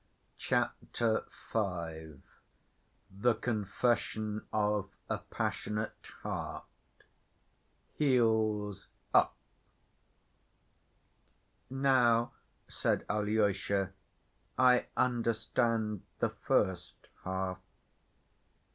Chapter V. The Confession Of A Passionate Heart—"Heels Up" "Now," said Alyosha, "I understand the first half."